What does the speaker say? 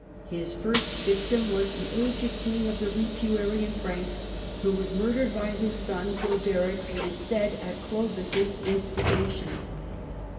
His first victim was the aged King of the Ripuarian Franks, who was murdered by his son Cloderic, .. THE RISE OF THE FRANKS 47 said at Clovis' instigation.